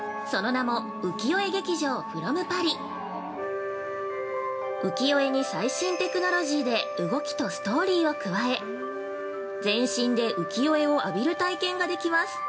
その名も「浮世絵劇場フロムパリ」浮世絵に最新テクノロジーで動きとストーリーを加え、全身で浮世絵を浴びる体験ができます。